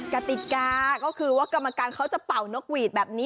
กติกาก็คือว่ากรรมการเขาจะเป่านกหวีดแบบนี้